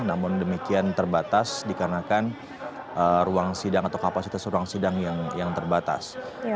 namun demikian terbatas dikarenakan ruang sidang atau kapasitas ruang sidang yang terbatas